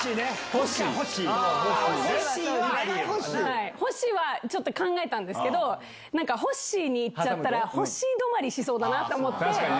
ホッシーは、ちょっと考えたんですけど、なんかホッシーにいっちゃったら、ホッシー止まりしそうだなと思って。